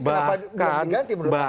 kenapa tidak diganti menurut anda